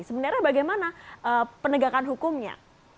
sebenarnya bagaimana penegakan hukumnya